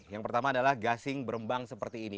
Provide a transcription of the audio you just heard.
yang pertama adalah gasing berembang seperti ini